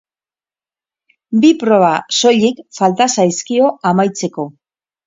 Bi proba soilik falta zaizkio amaitzeko.